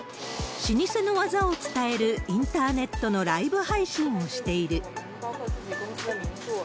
老舗の技を伝えるインターネットのライブ配信をしている。